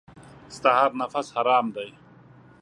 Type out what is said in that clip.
ستا هر نفس حرام دی .